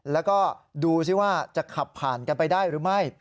แล้วก็ดูสิว่าจะขับผ่านกันไปได้หรือไม่